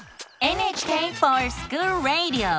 「ＮＨＫｆｏｒＳｃｈｏｏｌＲａｄｉｏ」！